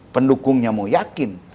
pendukungnya mau yakin